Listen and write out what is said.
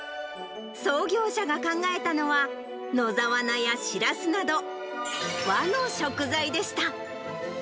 創業者が考えたのは、野沢菜やシラスなど、和の食材でした。